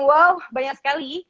wow banyak sekali